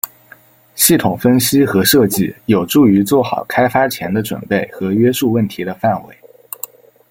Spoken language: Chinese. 系统分析和设计有助于做好开发前的准备和约束问题的范围。